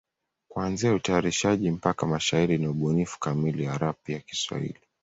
Kuanzia utayarishaji mpaka mashairi ni ubunifu kamili ya rap ya Kiswahili.